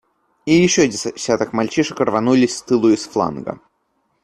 И еще десяток мальчишек рванулись с тылу и с фланга.